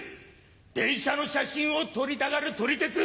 電車の写真を撮りたがる撮り鉄！